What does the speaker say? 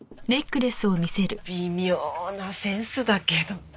微妙なセンスだけどね。